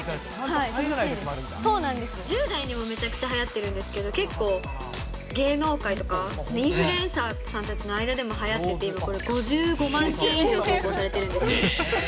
１０代にもめちゃくちゃはやってるんですけど、結構、芸能界とか、インフルエンサーさんたちの間でも今、はやってて、５５万件以上も投稿されてるんです。